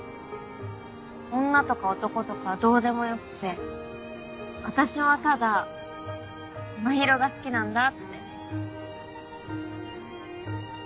女とか男とかどうでもよくて私はただ真尋が好きなんだって。